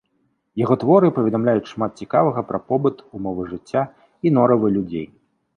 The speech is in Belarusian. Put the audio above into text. Яго творы паведамляюць шмат цікавага пра побыт, умовы жыцця і норавы людзей.